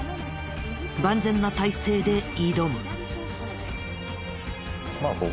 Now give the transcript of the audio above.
万全な態勢で挑む。